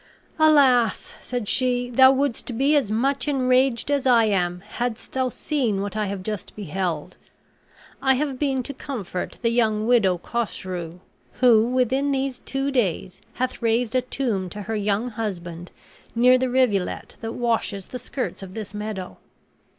"Alas," said she, "thou wouldst be as much enraged as I am hadst thou seen what I have just beheld. I have been to comfort the young widow Cosrou, who, within these two days, hath raised a tomb to her young husband, near the rivulet that washes the skirts of this meadow.